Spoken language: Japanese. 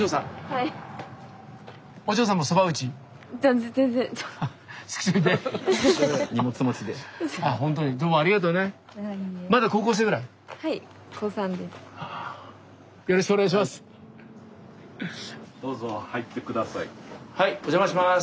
はいお邪魔します。